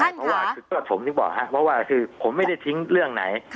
ใช่เพราะว่าคือก็กับผมที่บอกฮะเพราะว่าคือผมไม่ได้ทิ้งเรื่องไหน